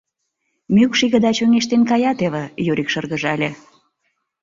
— Мӱкш игыда чоҥештен кая теве, — Юрик шыргыжале.